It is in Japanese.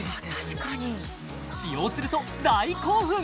確かに使用すると大興奮！